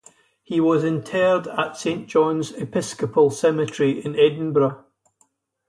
He was interred at Saint John's Episcopal Cemetery in Edinburgh.